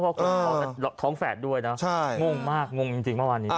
เพราะท้องแฝดด้วยนะงงมากงงจริงมากว่านี้